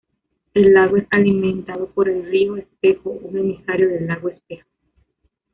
El lago es alimentado por el río Espejo, un emisario del lago Espejo.